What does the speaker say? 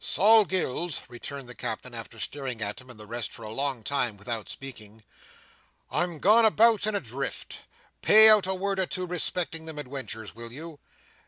"Sol Gills," returned the Captain, after staring at him and the rest for a long time, without speaking, "I'm gone about and adrift. Pay out a word or two respecting them adwenturs, will you!